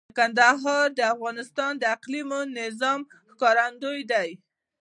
کندهار د افغانستان د اقلیمي نظام ښکارندوی دی.